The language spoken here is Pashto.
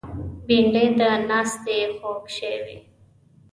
بېنډۍ د ناستې خوږ شی وي